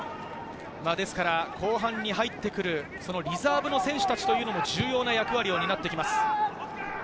後半に入ってくるとリザーブの選手たちも重要な役割を担ってきます。